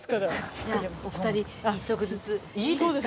じゃあお二人１足ずついいですか？